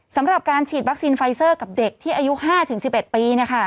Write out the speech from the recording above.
สำหรับการฉีดวัคซีนไฟเซอร์กับเด็กที่อายุ๕๑๑ปี